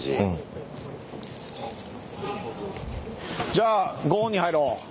じゃあご本人入ろう。